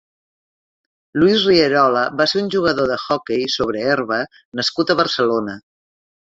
Luis Rierola va ser un jugador d'hoquei sobre herba nascut a Barcelona.